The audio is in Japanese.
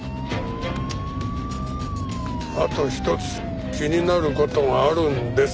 あと一つ気になる事があるんです。